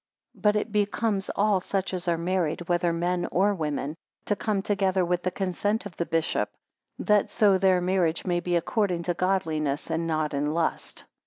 10 But it becomes all such as are married, whether men or women, to come together with the consent of the bishop, that so their marriage may be according to godliness, and not in lust.